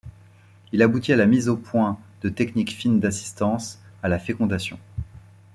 Il aboutit à la mise au point de techniques fines d'assistance à la fécondation.